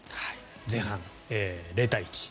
前半、０対１。